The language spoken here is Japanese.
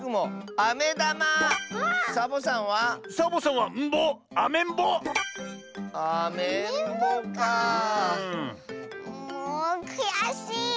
もうくやしい！